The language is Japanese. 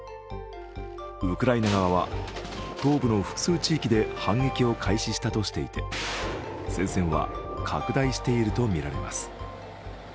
ウクライナ側は東部の複数地域で反撃を開始したとしていて、戦線は、拡大しているとみられます